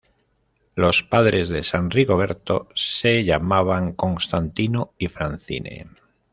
Los padres de san Rigoberto se llamaban Constantino y Francine.